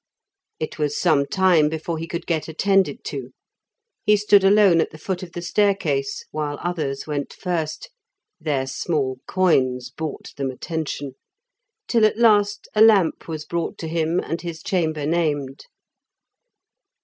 It was some time before he could get attended to; he stood alone at the foot of the staircase while others went first (their small coins bought them attention), till at last a lamp was brought to him, and his chamber named.